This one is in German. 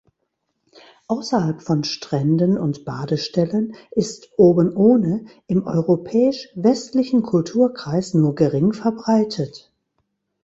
Außerhalb von Stränden und Badestellen ist oben ohne im europäisch-westlichen Kulturkreis nur gering verbreitet.